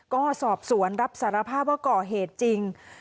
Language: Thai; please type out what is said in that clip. ก็สอบสวนรับสารภาพว่าก่อเหตุจริง